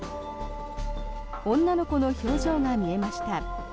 女の子の表情が見えました。